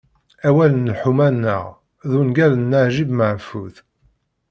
"Arraw n lḥuma-nneɣ" d ungal n Naǧib Meḥfuḍ.